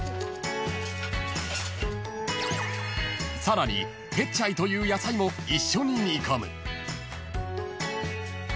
［さらにペッチャイという野菜も一緒に煮込む］